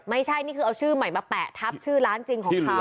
ไม่ใช่นี่คือเอาชื่อใหม่มาแปะทับชื่อร้านจริงของเขา